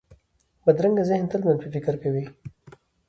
بدرنګه ذهن تل منفي فکر کوي